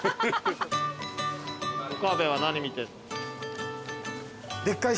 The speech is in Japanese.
岡部は何見てるの？